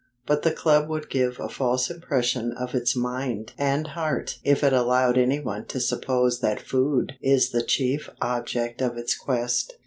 But the Club would give a false impression of its mind and heart if it allowed any one to suppose that Food is the chief object of its quest.